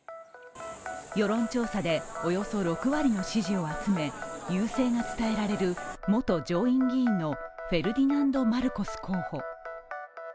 世論調査で、およそ６割の支持を集め優勢が伝えられる元上院議員のフェルディナンド・マルコス候補。